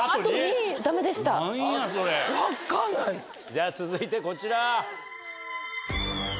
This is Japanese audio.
じゃ続いてこちら。